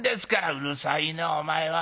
「うるさいなお前は。